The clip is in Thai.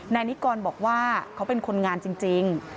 นายนิกรบอกว่าเขาเป็นคนงานจริง